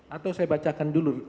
atau saya bacakan dulu